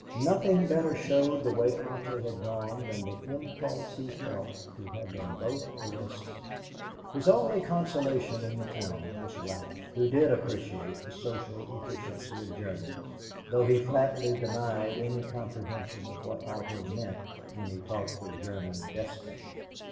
Nothing better showed the way Otto had gone than the impulse he felt to have them both arrested. His only consolation in the town was Ralph, who did appreciate the social efficiency of Germany though he flatly denied any comprehension of what Otto meant when he talked of German destiny.